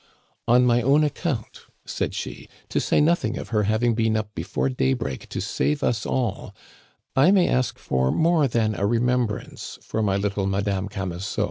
"On my own account," said she, "to say nothing of her having been up before daybreak to save us all, I may ask for more than a remembrance for my little Madame Camusot.